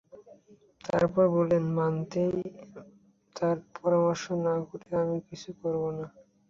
তারপর বললেন, মানাতের সাথে পরামর্শ না করে আমি কিছুই করব না।